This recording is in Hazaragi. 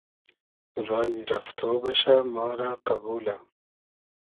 رایی رئفتۉ بئشۂ ما رۂ قئبولۂ